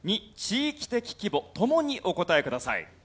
２地域的規模。共にお答えください。